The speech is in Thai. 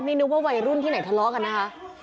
จะรุว่าวัยรุ่นที่ไหนทะเลาวิวาสกันนะฮะ